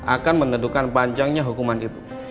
akan menentukan panjangnya hukuman itu